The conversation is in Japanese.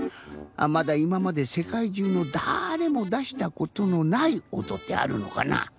まだいままでせかいじゅうのだれもだしたことのないおとってあるのかな？